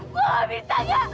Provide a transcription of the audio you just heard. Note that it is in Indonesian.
gue mau ditanya